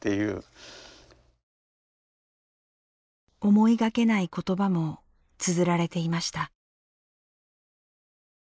思いがけない言葉もつづられていました。